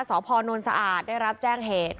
สพนสะอาดได้รับแจ้งเหตุ